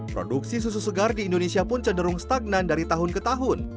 produksi susu segar di indonesia pun cenderung stagnan dari tahun ke tahun